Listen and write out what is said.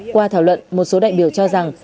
qua thảo luận một số đại biểu cho rằng